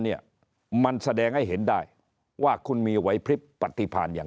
เนี่ยมันแสดงให้เห็นได้ว่าคุณมีไหวพลิบปฏิพันธ์อย่าง